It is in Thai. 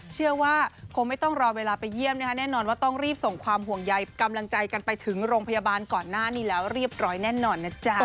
เชื่อว่าคงไม่ต้องรอเวลาไปเยี่ยมนะคะแน่นอนว่าต้องรีบส่งความห่วงใยกำลังใจกันไปถึงโรงพยาบาลก่อนหน้านี้แล้วเรียบร้อยแน่นอนนะจ๊ะ